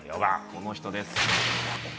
この人です。